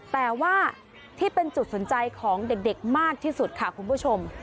แต่ว่าที่เป็นจุดสนใจของเด็กมากที่สุดค่ะคุณผู้ชม